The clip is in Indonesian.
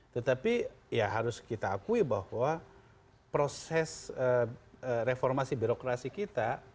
tetapi ya harus kita akui bahwa proses reformasi birokrasi kita